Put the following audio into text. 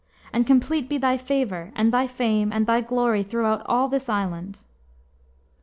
And complete be thy favor, and thy fame, and thy glory, throughout all this island."